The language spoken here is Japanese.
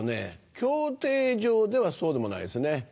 競艇場ではそうでもないですね。